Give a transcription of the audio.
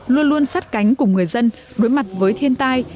luôn luôn sát cánh cùng người dân đối mặt với thiên tai